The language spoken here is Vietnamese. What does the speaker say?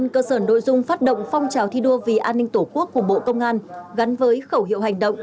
cơ sở nội dung phát động phong trả thi đua vì an ninh tổ quốc của bộ công an gắn với khẩu hiệu hành động